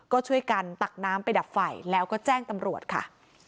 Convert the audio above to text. ก็ช่วยกันตักน้ำไปดับไฟแล้วก็แจ้งตำรวจค่ะ